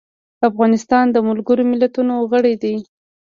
افغانستان د ملګرو ملتونو غړی دی.